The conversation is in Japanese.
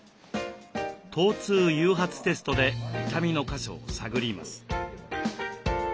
疼痛誘発テストで痛みの箇所を探ります。